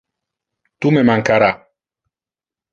Tu me mancara.